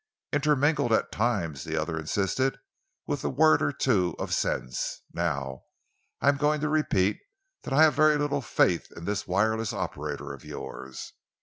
"Intermingled at times," the other insisted, "with a word or two of sense. Now I am going to repeat that I have very little faith in this wireless operator of yours.